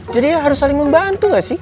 jadi harus saling membantu gak sih